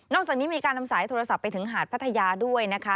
จากนี้มีการนำสายโทรศัพท์ไปถึงหาดพัทยาด้วยนะคะ